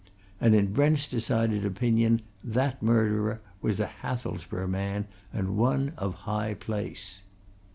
And in Brent's decided opinion that murderer was a Hathelsborough man, and one of high place.